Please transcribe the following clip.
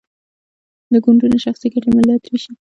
د ګوندونو شخصي ګټې ملت ویشي.